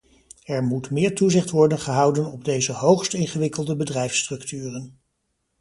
Er moet meer toezicht worden gehouden op deze hoogst ingewikkelde bedrijfsstructuren.